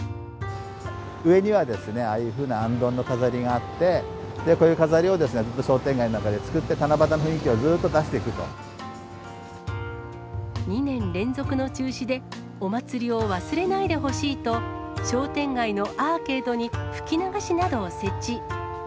上には、ああいうふうなあんどんの飾りがあって、こういう飾りを商店街の中で作って七夕の雰囲気をずっと出してい２年連続の中止で、お祭りを忘れないでほしいと、商店街のアーケードに吹き流しなどを設置。